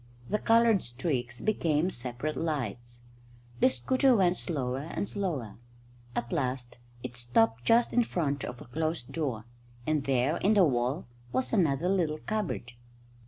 The coloured streaks became separate lights. The scooter went slower and slower. At last it stopped just in front of a closed door, and there, in the wall, was another little cupboard.